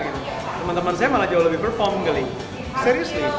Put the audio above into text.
teman teman saya malah jauh lebih perform kali